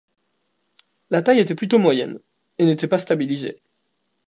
La taille était plutôt moyenne et n'était pas stabilisée.